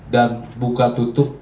dan buka tutup